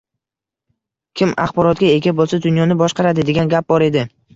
Kim axborotga ega boʻlsa, dunyoni boshqaradi, degan gap bor edi.